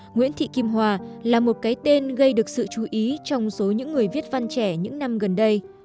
nguyễn thị kim hòa là một cái tên gây được sự chú ý trong số những người viết văn trẻ những năm gần đây